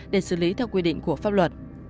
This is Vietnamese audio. để xử lý theo quy định của pháp luật